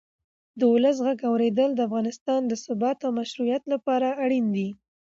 د ولس غږ اورېدل د افغانستان د ثبات او مشروعیت لپاره اړین دی